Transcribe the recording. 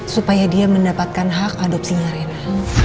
supaya dia mendapatkan hak adopsinya rena